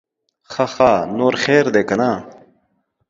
ښه ښه, نور خير دے که نه؟